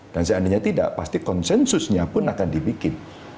dan seandainya tidak pasti konsensusnya pun akan dibikin